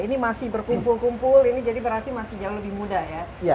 ini masih berkumpul kumpul ini jadi berarti masih jauh lebih mudah ya